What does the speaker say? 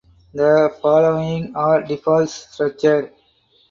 The following are defaults structure.